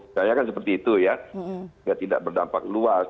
misalnya kan seperti itu ya tidak berdampak luas